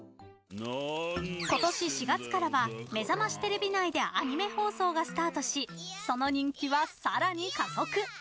今年４月からは「めざましテレビ」内でアニメ放送がスタートしその人気はさらに加速。